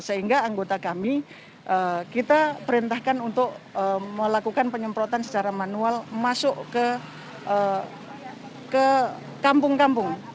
sehingga anggota kami kita perintahkan untuk melakukan penyemprotan secara manual masuk ke kampung kampung